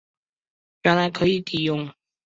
原来可以抵用